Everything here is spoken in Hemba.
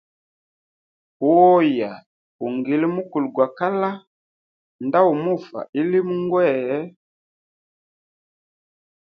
Uoya ungile mukulu gwa kala, nda umufa ilomo ngwee.